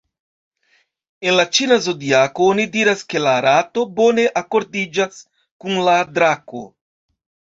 En la ĉina zodiako oni diras, ke la rato bone akordiĝas kun la drako.